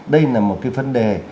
đây là một cái vấn đề